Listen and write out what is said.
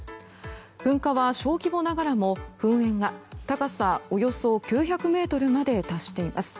噴火は小規模ながらも噴煙が高さおよそ９００ｍまで達しています。